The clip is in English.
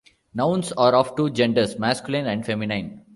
Nouns are of two genders, masculine and feminine.